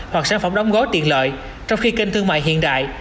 hoặc sản phẩm đóng gói tiện lợi trong khi kênh thương mại hiện đại